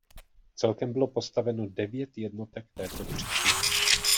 Celkem bylo postaveno devět jednotek této třídy.